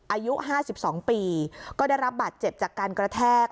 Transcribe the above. อายุห้าสิบสองปีก็ได้รับบาดเจ็บจากการกระแทก